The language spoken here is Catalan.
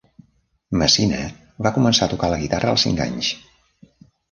Messina va començar a tocar la guitarra als cinc anys.